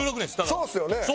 そうですよね。